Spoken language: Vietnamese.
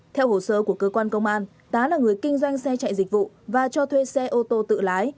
theo hồ sơ của cơ quan công an tá là người kinh doanh xe chạy dịch vụ và cho thuê xe ô tô tự lái